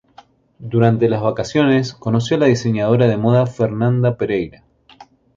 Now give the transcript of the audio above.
Durante las vacaciones conoció a la diseñadora de moda Fernanda Pereira.